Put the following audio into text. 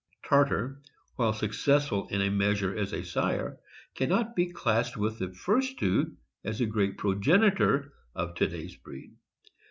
Tartar, while successful in a measure as a sire, can not be classed with the first two as a great progenitor of to day's breed.